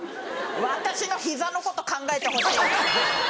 私の膝のこと考えてほしい。